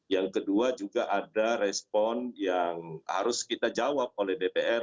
yang kedua juga ada respon yang harus kita jawab oleh dpr